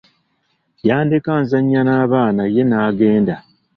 Yandeka nzannya n'abaana ye n'agenda.